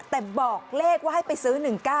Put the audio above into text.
แต่บอกเลขว่าให้ไปซื้อ๑๙๙